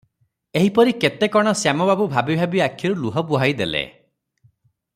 ଏହିପରି କେତେ କଣ ଶ୍ୟାମବାବୁ ଭାବି ଭାବି ଆଖିରୁ ଲୁହ ବୁହାଇ ଦେଲେ ।